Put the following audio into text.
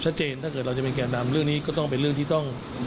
ถ้าเกิดเราจะเป็นแก่นำเรื่องนี้ก็ต้องเป็นเรื่องที่ต้อง